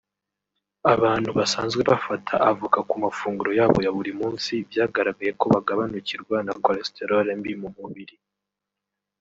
Abantu basanzwe bafata Avoka ku mafunguro yabo ya buri munsi byagaragaye ko bagabanukirwa na cholesterole mbi mu mubiri